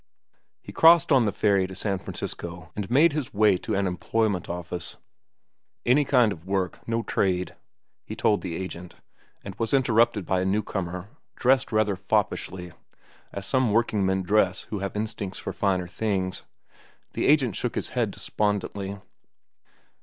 He crossed on the ferry to San Francisco and made his way to an employment office. "Any kind of work, no trade," he told the agent; and was interrupted by a new comer, dressed rather foppishly, as some workingmen dress who have instincts for finer things. The agent shook his head despondently.